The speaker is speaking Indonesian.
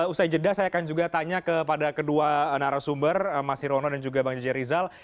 usai jeda saya akan juga tanya kepada kedua narasumber mas sirono dan juga bang jj rizal